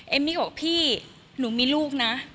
เอ็มมี่ก็บอกว่าพี่หนูมีลูกนะ